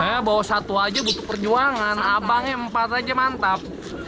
saya bawa satu aja butuh perjuangan abangnya empat aja mantap